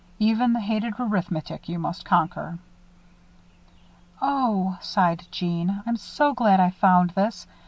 Even the hated arithmetic you must conquer." "Oh," sighed Jeanne, "I'm so glad I found this.